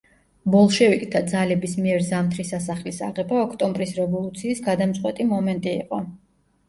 ბოლშევიკთა ძალების მიერ ზამთრის სასახლის აღება ოქტომბრის რევოლუციის გადამწყვეტი მომენტი იყო.